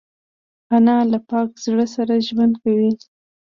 انا له پاک زړه سره ژوند کوي